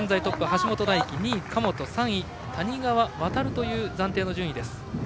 橋本大輝２位は神本３位、谷川航という暫定の順位。